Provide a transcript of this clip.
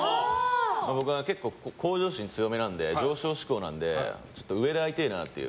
僕は結構向上心強めなんで上昇志向なので上で会いてえなっていう。